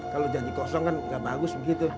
kalau janji kosong kan nggak bagus begitu